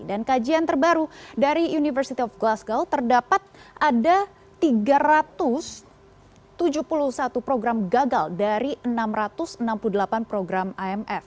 dan kajian terbaru dari university of glasgow terdapat ada tiga ratus tujuh puluh satu program gagal dari enam ratus enam puluh delapan program imf